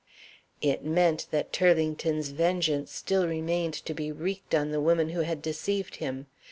(It meant that Turlington's vengeance still remained to be wreaked on the woman who had deceived him.